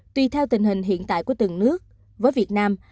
tùy theo tình hình hiện tại của từng nước với việt nam